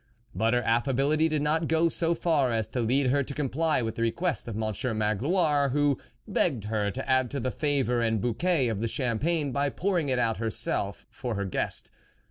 But her affability ^did not go so far as to lead her * to^ comply with the request of Monsieur Magloire, who begged her to add to the flavour and bouquet of the champagne by pouring it out herself for her guest.